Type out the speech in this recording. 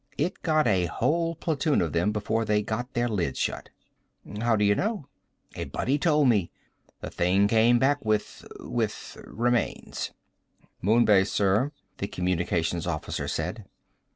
"It got a whole platoon of them before they got their lid shut." "How do you know?" "A buddy told me. The thing came back with with remains." "Moon Base, sir," the communications officer said.